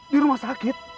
di rumah sakit